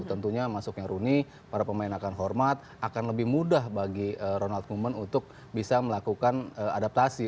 tentunya masuknya rooney para pemain akan hormat akan lebih mudah bagi ronald momen untuk bisa melakukan adaptasi